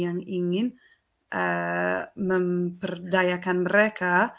yang ingin memperdayakan mereka